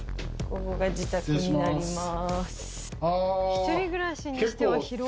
ここが自宅になります。